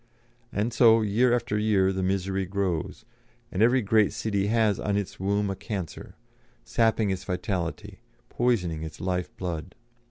And so, year after year, the misery grows, and every great city has on its womb a cancer; sapping its vitality, poisoning its life blood.